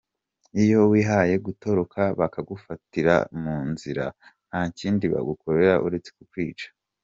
Iyo wihaye gutoroka bakagufatira mu nzira nta kindi bagukorera uretse kukwica.